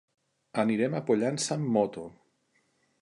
Anirem a Pollença amb moto.